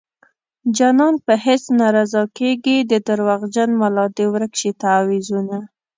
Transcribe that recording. جانان په هيڅ نه رضا کيږي د دروغجن ملا دې ورک شي تعويذونه